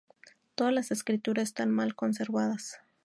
Todas las estructuras están mal conservadas.